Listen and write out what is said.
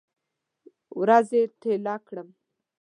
ورځې ټیله کړم